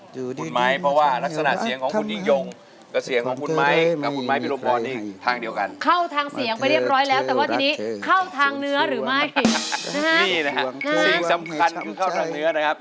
สิ่งสำคัญคือเข้าทางเนื้อนะครับ